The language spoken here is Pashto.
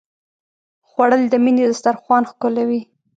خوړل د مینې دسترخوان ښکلوي